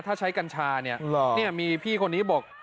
ถ้าใช้กัญชาเนี่ยมีพี่คนนี้บอก